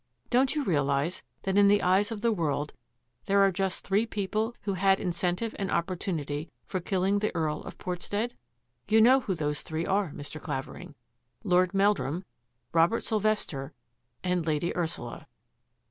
Don't you realise that in the eyes of the world there are just three people who had incentive and opportunity for killing the Earl of Portstead? You know who those three are, Mr. Clavering: Lord Meldrum, Robert Syl vester — and Lady Ursula."